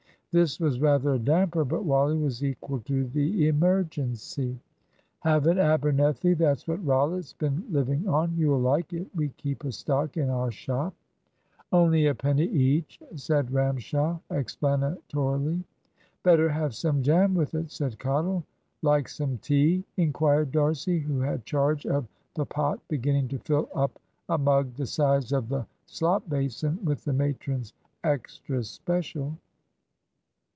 This was rather a damper; but Wally was equal to the emergency. "Have an Abernethy that's what Rollitt's been living on. You'll like it. We keep a stock in our shop." "Only a penny each," said Ramshaw, explanatorily. "Better have some jam with it," said Cottle. "Like some tea?" inquired D'Arcy, who had charge of the pot, beginning to fill up a mug the size of the slop basin with the matron's "extra special."